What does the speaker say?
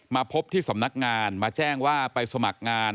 มาพบที่สำนักงานมาแจ้งว่าไปสมัครงาน